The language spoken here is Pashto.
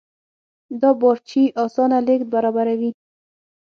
دا بارچي اسانه لېږد برابروي.